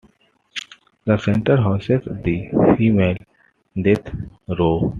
The center houses the female death row.